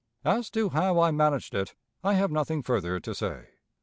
As to how I managed it, I have nothing further to say."